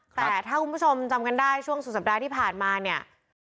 แต่ถ้าคุณผู้ชมจำกันได้ช่วงสุดสัปดาห์ที่ผ่านมาเนี่ย